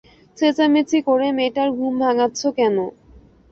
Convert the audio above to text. চেঁচামেচি করে মেয়েটার ঘুম ভাঙাচ্ছ কেন?